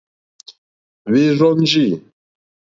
Hwɛ́ rzɔ́njì.